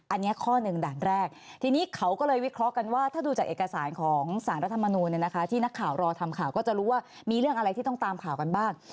อันนี้ข้อหนึ่งด่านแรกทีนี้เขาก็เลยวิเคราะห์กันว่าถ้าดูจากเอกสารของสารรัฐมนูลที่นักข่าวรอทำข่าวก็จะรู้ว่ามีเรื่องอะไรที่ต้องตามข่าวกันบ้าง